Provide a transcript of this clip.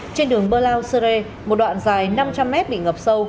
trên đường bơ lao sơ rê một đoạn dài năm trăm linh mét bị ngập sâu